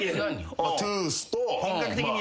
トゥース！と。